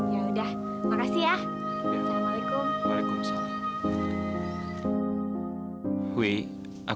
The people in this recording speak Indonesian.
ya sudah terima kasih ya